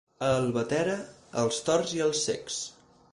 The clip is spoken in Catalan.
A Albatera, els torts i els cecs.